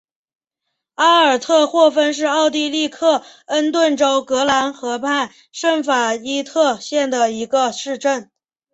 阿尔特霍芬是奥地利克恩顿州格兰河畔圣法伊特县的一个市镇。